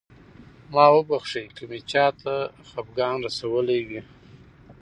ما وبښئ که مې چاته خفګان رسولی وي.